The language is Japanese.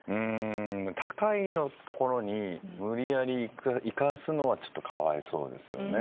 高いところに無理やり行かすのはちょっと可哀想ですよね。